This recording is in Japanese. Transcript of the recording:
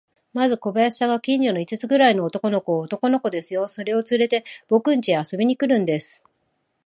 まず小林さんが、近所の五つくらいの男の子を、男の子ですよ、それをつれて、ぼくんちへ遊びに来るんです。